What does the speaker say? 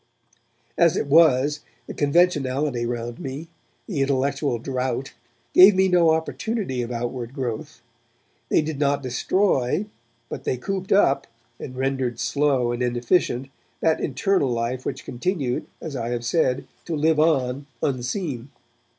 As it was, the conventionality around me, the intellectual drought, gave me no opportunity of outward growth. They did not destroy, but they cooped up, and rendered slow and inefficient, that internal life which continued, as I have said, to live on unseen.